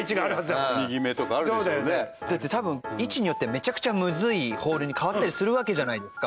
だって多分位置によってはめちゃくちゃむずいホールに変わったりするわけじゃないですか。